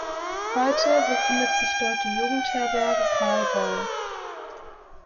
Heute befindet sich dort die Jugendherberge Carl Bolle.